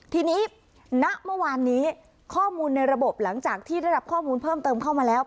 ทีนี้ณเมื่อวานนี้ข้อมูลในระบบหลังจากที่ได้รับข้อมูลเพิ่มเติมเข้ามาแล้ว